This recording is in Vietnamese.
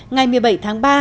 ngày một mươi bảy tháng ba